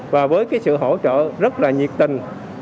và với sự hỗ trợ rất nhiệt tình